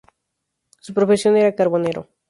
Su profesión era carbonero.